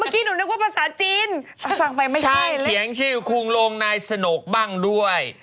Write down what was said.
เมื่อกี้หนูนึกว่าภาษาจีนสั่งไปไม่ใช่เลยช่างเขียงชื่อคุงโรงนายสนกบ้างด้วย